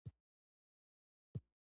له دې لارې یې خپلې مور ته خواړه برابرول